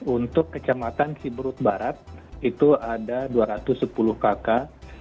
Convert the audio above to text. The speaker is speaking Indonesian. untuk kecamatan kilimut barat itu ada dua ratus enam belas kakak